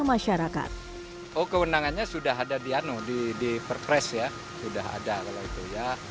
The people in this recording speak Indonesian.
oh kewenangannya sudah ada di perpres ya sudah ada kalau itu ya